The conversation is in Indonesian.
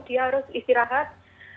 dia harus istirahat